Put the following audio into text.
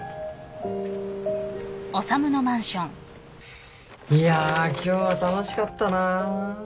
いや今日は楽しかったな。